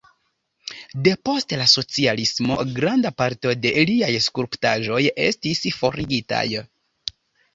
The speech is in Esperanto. Depost la socialismo granda parto de liaj skulptaĵoj estis forigitaj.